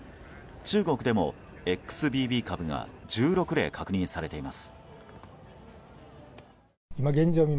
中国でもＸＢＢ株が１６例確認されています。